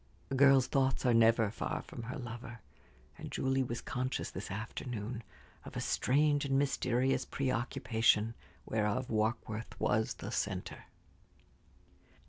A girl's thoughts are never far from her lover; and Julie was conscious, this afternoon, of a strange and mysterious preoccupation, whereof Warkworth was the centre.